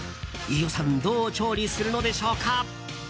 飯尾さんどう調理するのでしょうか？